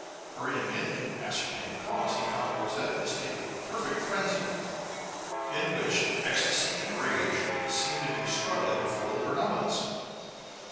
Hurrying in to ascertain the cause, he found Rosette in a state of perfect frenzy, in which ecstasy and rage seemed to be struggling for the predominance.